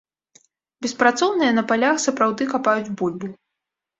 Беспрацоўныя на палях сапраўды капаюць бульбу.